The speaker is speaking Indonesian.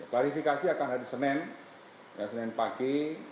verifikasi akan hari senin ya senin pagi